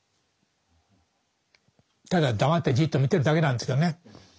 ただ黙ってじっと見てるだけなんですけどね。